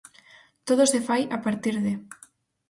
Todo se fai "a partir de".